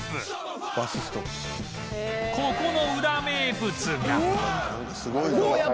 ここのウラ名物がえっ！？